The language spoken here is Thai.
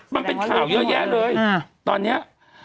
มันเป็นข่าวเยอะแยะเลยตอนนี้